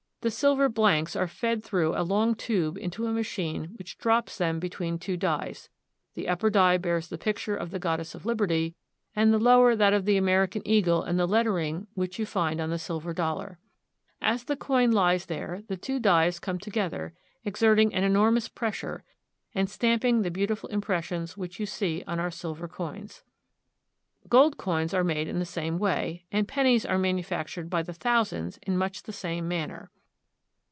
The silver blanks are fed through a long tube into a machine which drops them between two dies. The upper die bears the picture of the goddess of liberty, A Coining' Machine. NEW YORK. 57 and the lower that of the American eagle and the lettering which you find on the silver dollar. As the coin lies there the two dies come together, exerting an enormous pres sure, and stamping the beautiful impressions which you see on our silver coins. Gold coins are made in the same way, and pennies are manufactured by the thousands in much the same manner.